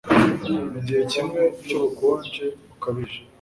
Mu gihe kimwe cyubukonje bukabije